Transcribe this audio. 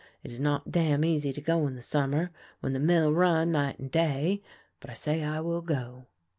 It is not damn easy to go in the summer, when the mill run night and day, but I sa}' I will go.